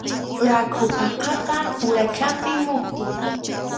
Rakhu phakapa uraychanpi muqu.